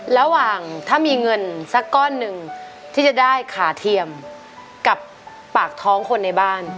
ระหว่างถ้ามีเงินสักก้อนหนึ่งที่จะได้ขาเทียมกับปากท้องคนในบ้าน